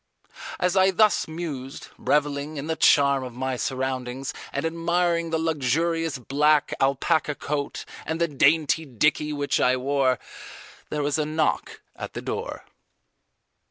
As I thus mused, revelling in the charm of my surroundings and admiring the luxurious black alpaca coat and the dainty dickie which I wore, there was a knock at the door.